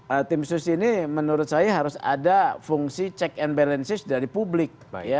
nah tim sus ini menurut saya harus ada fungsi check and balances dari publik